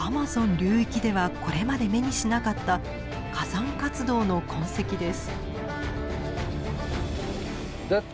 流域ではこれまで目にしなかった火山活動の痕跡です。